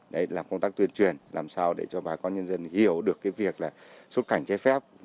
đấy làm công tác tuyên truyền làm sao để cho bà con nhân dân hiểu được cái việc là xuất cảnh trái phép